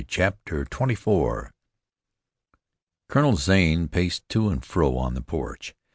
CHAPTER XXIV Colonel Zane paced to and fro on the porch.